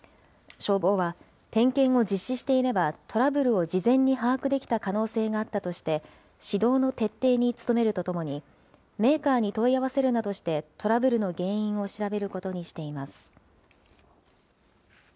消防は点検を実施していればトラブルを事前に把握できた可能性があったとして、指導の徹底に努めるとともに、メーカーに問い合わせるなどして、トラブルの原因を調べることにしています。